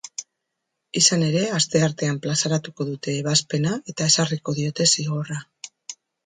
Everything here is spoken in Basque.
Izan ere, asteartean plazaratuko dute ebazpena eta ezarriko diote zigorra.